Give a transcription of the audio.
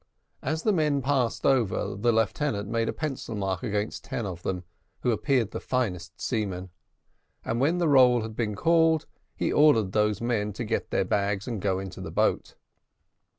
As the men passed over, the lieutenant made a pencil mark against ten of them, who appeared the finest seamen; and, when the roll had been called, he ordered those men to get their bags and go into the boat.